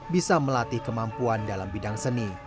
bisa melatih kemampuan dalam bidang seni